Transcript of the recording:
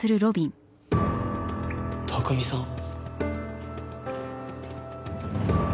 拓海さん。